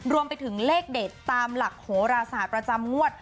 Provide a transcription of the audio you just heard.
รวมไปถึงเลขเด็ดตามหลักโหราศาสตร์ประจำงวด